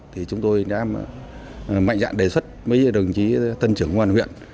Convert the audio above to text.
thì chúng tôi đang mạnh dạn đề xuất mấy đồng chí tân trưởng ngoan huyện